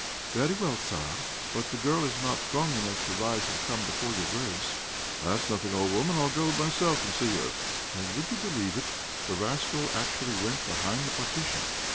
"'Very well, Tzar; but the girl is not strong enough to rise and come before your grace.' "'That's nothing, old woman; I'll go myself and see her.' "And, would you believe it, the rascal actually went behind the partition.